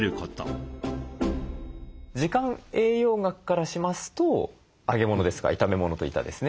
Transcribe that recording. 時間栄養学からしますと揚げ物ですとか炒め物といったですね